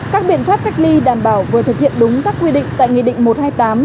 các biện pháp cách ly đảm bảo vừa thực hiện đúng các quy định tại nghị định một trăm hai mươi tám